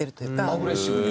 アグレッシブに？